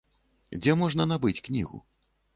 Дзе можна набыць кнігу?